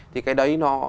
thì cái đấy nó